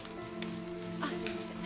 あすいません。